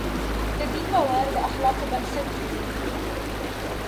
د دین باور د اخلاقو بنسټ جوړوي.